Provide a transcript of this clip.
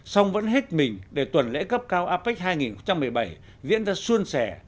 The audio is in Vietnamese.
song vẫn hết mình để tuần lễ cấp cao apec hai nghìn một mươi bảy diễn ra xuân sẻ